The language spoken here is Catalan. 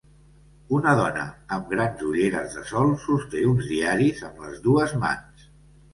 Una dona amb grans ulleres de sol sosté uns diaris amb les dues mans.